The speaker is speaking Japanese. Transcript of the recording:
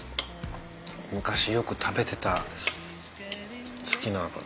昔よく食べてた好きな。